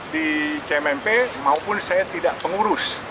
di cmp maupun saya tidak pengurus